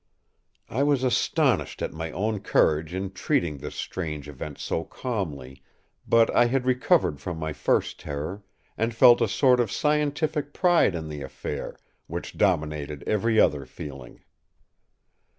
” I was astonished at my own courage in treating this strange event so calmly; but I had recovered from my first terror, and felt a sort of scientific pride in the affair, which dominated every other feeling.